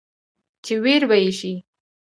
چې وېر به يې شي ،